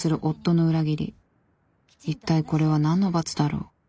一体これは何の罰だろう？